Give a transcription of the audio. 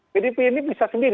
pdp ini bisa sendiri